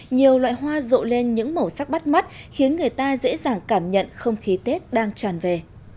nhiều loại hoa rộ lên những màu sắc bắt mắt khiến người ta dễ dàng cảm nhận không khí tết đang tràn về